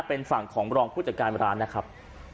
เป็นฝั่งของรองผู้จัดการร้านนะครับ